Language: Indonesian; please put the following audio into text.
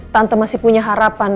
tante masih punya harapan